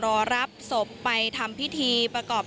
ขณะที่ในวันนี้นะคะหลายท่านได้เดินทางมาเยี่ยมผู้ได้รับบาดเจ็บนะคะ